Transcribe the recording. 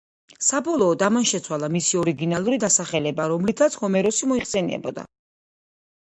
საბოლოოდ ამან შეცვალა მისი ორიგინალური დასახელება, რომლითაც ჰომეროსი მოიხსენიებდა.